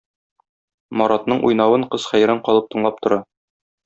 Маратның уйнавын кыз хәйран калып тыңлап тора.